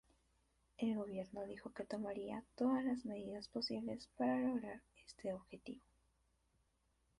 El gobierno dijo que tomaría "todas las medidas posibles" para lograr este objetivo.